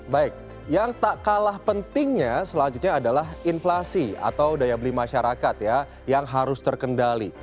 baik yang tak kalah pentingnya selanjutnya adalah inflasi atau daya beli masyarakat ya yang harus terkendali